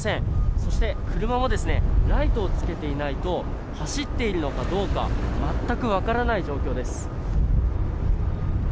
そして、車もライトをつけていないと走っているのかどうか全く分からない状況です。